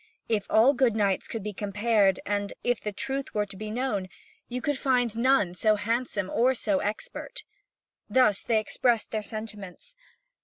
If all good knights could be compared, and if the truth were to be known, you could find none so handsome or so expert." Thus they expressed their sentiments.